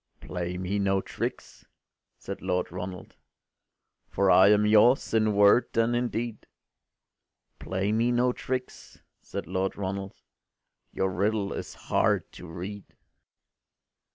” “Play me no tricks,” said Lord Ronald, “For I am yours in word and in deed. Play me no tricks,” said Lord Ronald, “Your riddle is hard to read.